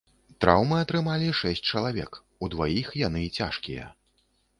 Траўмы атрымалі шэсць чалавек, у дваіх яны цяжкія.